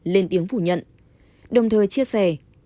lên tiếng phủ nhận đồng thời chia sẻ